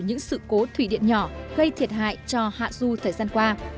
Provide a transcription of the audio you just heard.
những sự cố thủy điện nhỏ gây thiệt hại cho hạ du thời gian qua